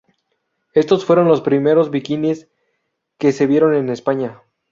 Estos fueron los primeros bikinis que se vieron en España.